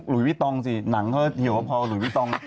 หลุยวิตรองสิหนังเฮ่ยเหี่ยวพอหลุยวิตรอง